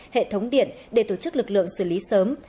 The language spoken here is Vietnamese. hệ thống điện để tổ chức lực lượng xử lý sớm